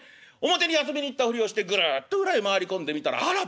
表に遊びに行ったふりをしてぐるっと裏へ回り込んでみたらあらビックリ。